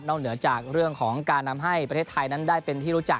เหนือจากเรื่องของการทำให้ประเทศไทยนั้นได้เป็นที่รู้จัก